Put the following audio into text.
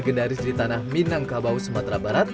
legendaris di tanah minangkabau sumatera barat